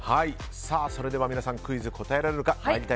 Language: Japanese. それでは皆さんクイズ答えられるか。